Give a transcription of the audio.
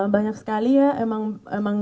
banyak sekali ya emang